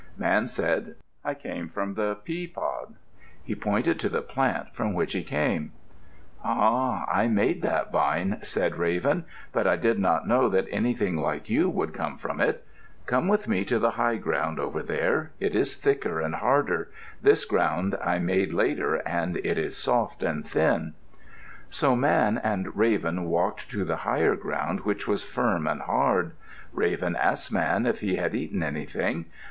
Man said, "I came from the pea pod." He pointed to the plant from which he came. "Ah, I made that vine," said Raven. "But I did not know that anything like you would come from it. Come with me to the high ground over there; it is thicker and harder. This ground I made later and it is soft and thin." So Man and Raven walked to the higher ground which was firm and hard. Raven asked Man if he had eaten anything.